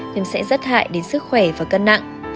nhưng sẽ rắt hại đến sức khỏe và cân nặng